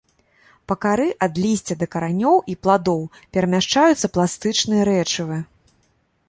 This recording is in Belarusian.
Па кары ад лісця да каранёў і пладоў перамяшчаюцца пластычныя рэчывы.